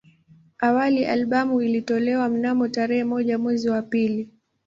Awali albamu ilitolewa mnamo tarehe moja mwezi wa pili